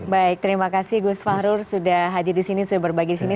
baik terima kasih gus fahru sudah hadir di sini sudah berbagi di sini